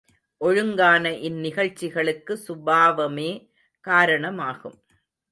ஒழுங்கான இந்நிகழ்ச்சிகளுக்கு சுபாவமே காரணமாகும்.